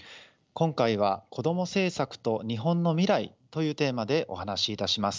今回は「こども政策と日本の未来」というテーマでお話しいたします。